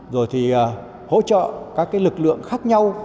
rồi thì hỗ trợ các lực lượng khác nhau